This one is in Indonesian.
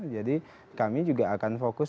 jadi kami juga akan fokus